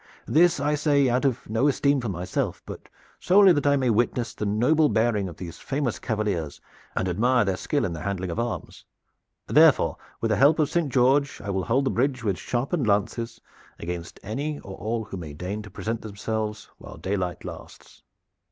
This I say out of no esteem for myself, but solely that I may witness the noble bearing of these famous cavaliers and admire their skill in the handling of arms. Therefore, with the help of Saint George, I will hold the bridge with sharpened lances against any or all who may deign to present themselves while daylight lasts."